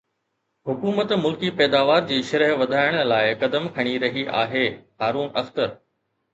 حڪومت ملڪي پيداوار جي شرح وڌائڻ لاءِ قدم کڻي رهي آهي هارون اختر